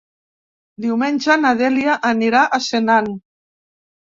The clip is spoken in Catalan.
Diumenge na Dèlia anirà a Senan.